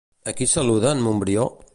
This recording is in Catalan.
A qui saluda en Montbrió?